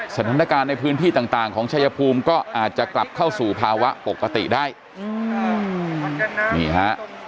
สถานการณ์ในพื้นที่ต่างต่างของชายภูมิก็อาจจะกลับเข้าสู่ภาวะปกติได้อืมนี่ฮะ